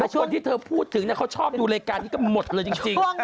แล้วช่วงที่เธอพูดถึงนั่นเขาชอบอยู่รายการนี้ก็หมดเลยจริง